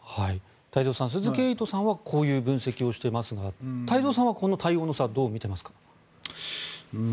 太蔵さん鈴木エイトさんはこういう分析をしていますが太蔵さんはこの対応の差をどう見ていますか？